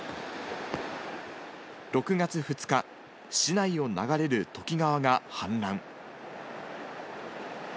６月２日、市内を流れる土岐川が氾濫。